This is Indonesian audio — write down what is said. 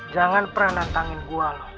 jangan pernah nantangin gua lo